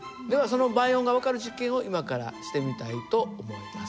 その倍音が分かる実験を今からしてみたいと思います。